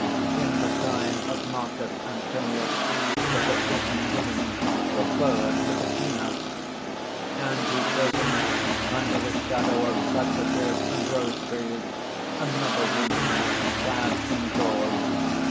"In the time of Marcus Antonius the patrician women preferred Libitina." (And he shows him under the shadow of cypresses and rose trees, ANOTHER WOMAN, _clad in gauze.